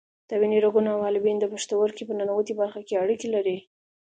د وینې رګونه او حالبین د پښتورګي په ننوتي برخه کې اړیکې لري.